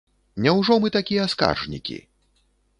Няўжо мы такія скаржнікі?